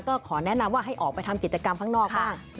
ก็ขอแนะนำว่าให้ออกไปทำกิจกรรมข้างนอกบ้าง